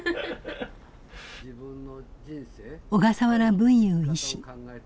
小笠原文雄医師。